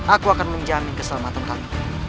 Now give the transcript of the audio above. aku akan menjamin keselamatan kami